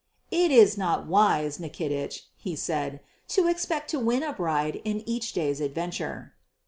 "It is not wise, Nikitich," he said, "to expect to win a bride in each day's adventure."